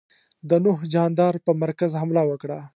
د نوح جاندار پر مرکز حمله وکړه.